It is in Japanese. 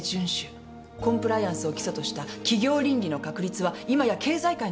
コンプライアンスを基礎とした企業倫理の確立は今や経済界の大きな流れ。